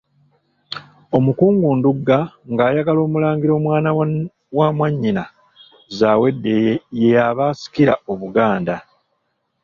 Omukungu Ndugga ng'ayagala Mulangira omwana wa mwannyina Zaawedde ye aba asikira Obuganda.